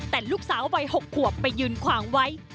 แต่ลูกสาววัย๖ขวบไปยืนขวางไว้